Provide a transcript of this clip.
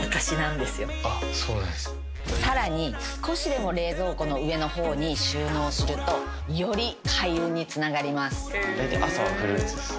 さらに少しでも冷蔵庫の上の方に収納するとより開運につながります。